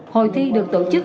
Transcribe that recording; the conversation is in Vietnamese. hội thi được tổ chức